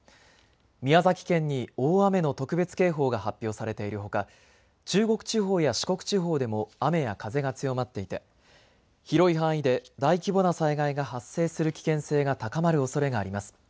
宮崎県に大雨の特別警報が発表されているほか、中国地方や四国地方でも雨や風が強まっていて広い範囲で大規模な災害が発生する危険性が高まるおそれがあります。